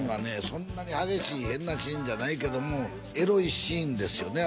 そんなに激しい変なシーンじゃないけどもエロいシーンですよね？